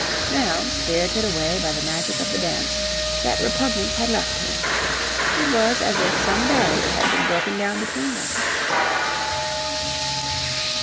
Now, spirited away by the magic of the dance, that repugnance had left her. It was as if some barrier had been broken down between them.